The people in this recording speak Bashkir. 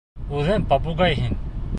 — Үҙең попугай һин.